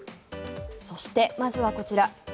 そして、まずはこちら。